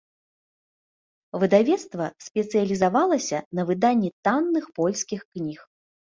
Выдавецтва спецыялізавалася на выданні танных польскіх кніг.